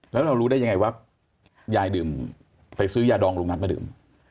แล้วเรารู้ได้ยังไงว่ายายดื่มไปซื้อยาดองลุงนัทมาดื่ม